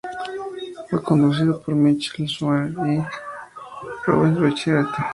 Fue conducido por Michael Schumacher y Rubens Barrichello.